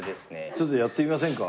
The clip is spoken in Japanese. ちょっとやってみませんか？